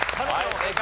正解。